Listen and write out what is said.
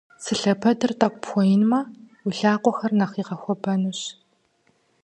Цы лъэпэдыр тӏэкӏу пхуэинмэ, уи лъакъуэхэр нэхъ игъэхуэбэнущ.